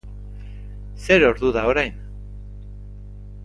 Zer ordu da orain?